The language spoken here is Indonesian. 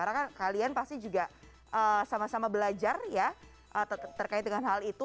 karena kan kalian pasti juga sama sama belajar ya terkait dengan hal itu